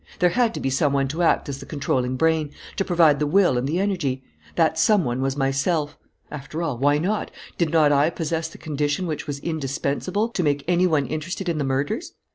There had to be some one to act as the controlling brain, to provide the will and the energy. That some one was myself. After all, why not? Did not I possess the condition which was indispensable to make any one interested in the murders?